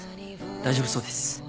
大丈夫そうです。